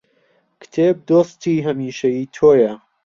کتێب دۆستی هەمیشەیی تۆیە